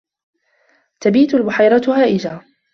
تَبِيتُ الْبُحَيْرَةُ هَائِجَةً.